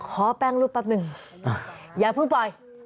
ขอแป้งรูปแป๊บหนึ่งอย่าเพิ่งปล่อย